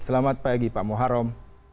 selamat pagi pak moharom